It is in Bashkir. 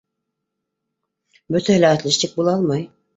Бөтәһе лә отличник була алмай.